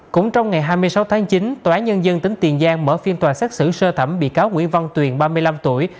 cũng trong ngày hai mươi sáu tháng chín tòa án nhân dân tỉnh tiền giang mở phiên tòa xét xử sơ thẩm bị cáo nguyễn văn tuyền ba mươi năm tuổi